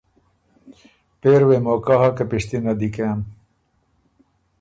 پېری وې موقع هۀ که پِشتِنه دی کېم